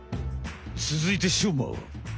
つづいてしょうまは。